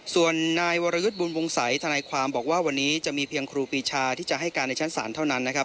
ส่วนนายวรยุทธ์บุญวงศัยธนายความบอกว่าวันนี้จะมีเพียงครูปีชาที่จะให้การในชั้นศาลเท่านั้นนะครับ